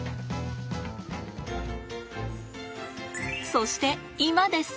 そして今です。